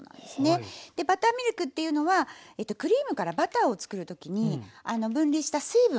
でバターミルクっていうのはクリームからバターを作る時に分離した水分。